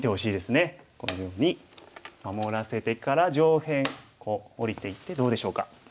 このように守らせてから上辺下りていってどうでしょうか？